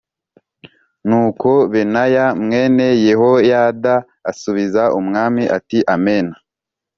Nuko Benaya mwene Yehoyada asubiza umwami ati “Amen.